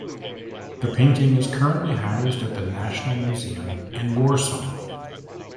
The painting is currently housed at the National Museum in Warsaw.